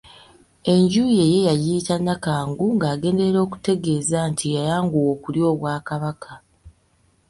Enju ye yagiyita Nakangu ng'agenderera okutegeeza nti yayanguwa okulya obwakabaka.